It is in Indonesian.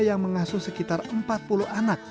yang mengasuh sekitar empat puluh anak